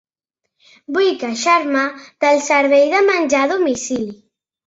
Vull queixar-me del servei de menjar a domicili.